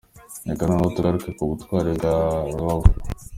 Reka noneho tugaruke ku butwari bwa Robwa.